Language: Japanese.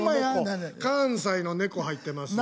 関西の猫入ってます。